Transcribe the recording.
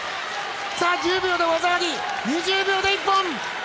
１０秒で技あり２０秒で一本。